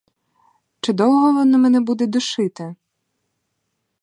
Чи довго воно мене буде душити?